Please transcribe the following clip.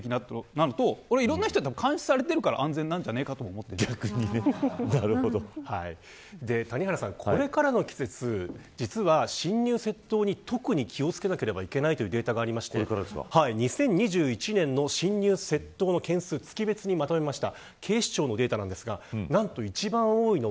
ある程度セキュリティがあるから平気だとなるといろんな人から関心を集めているから安全なんじゃないかと谷原さん、これからの季節実は侵入窃盗に特に気を付けなければいけないというデータがありまして２０２１年の侵入窃盗の件数月別にまとめました。